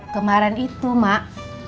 kemaren itu mak